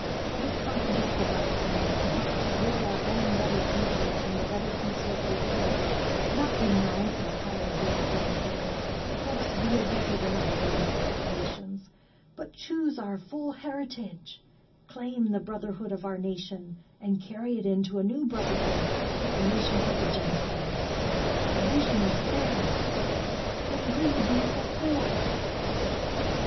Let us contradict the blasphemy, and help to will our own better future and the better future of the world—not renounce our higher gift and say, 'Let us be as if we were not among the populations;' but choose our full heritage, claim the brotherhood of our nation, and carry into it a new brotherhood with the nations of the Gentiles. The vision is there; it will be fulfilled."